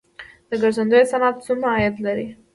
د ګرځندوی صنعت څومره عاید لري؟